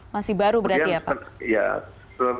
masih baru berarti ya pak agung